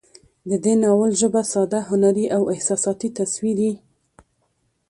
د دې ناول ژبه ساده، هنري، احساساتي، تصويري